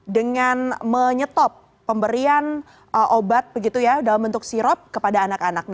dengan menyetop pemberian obat begitu ya dalam bentuk sirop kepada anak anak